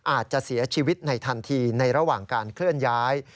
อาจจะเสียชีวิตในทันทีในระหว่างการเคลื่อนย้าย